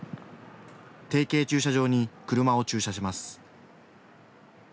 提携駐車場に車を駐車します。